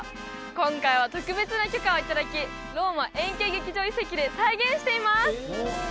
今回は特別な許可をいただきローマ円形劇場遺跡で再現してみます！